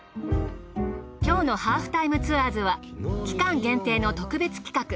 今日の『ハーフタイムツアーズ』は期間限定の特別企画。